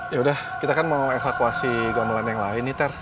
ya udah kita kan mau evakuasi gamelan yang lain nih ter